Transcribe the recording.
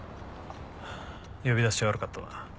呼び出して悪かったな。